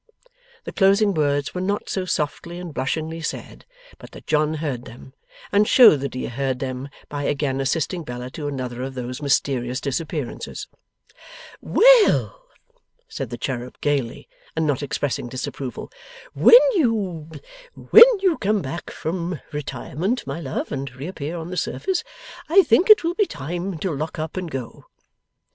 The closing words were not so softly and blushingly said but that John heard them, and showed that he heard them by again assisting Bella to another of those mysterious disappearances. 'Well!' said the cherub gaily, and not expressing disapproval, 'when you when you come back from retirement, my love, and reappear on the surface, I think it will be time to lock up and go.